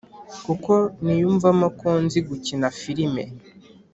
kuko niyumvamo ko nzi gukina firime,